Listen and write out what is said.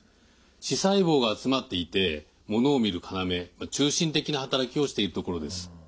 視細胞が集まっていてものを見る要中心的な働きをしている所です。